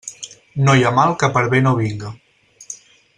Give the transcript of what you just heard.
No hi ha mal que per bé no vinga.